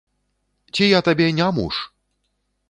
Ці я табе не муж?